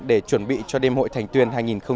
để chuẩn bị cho đêm hội thành tuyên hai nghìn một mươi sáu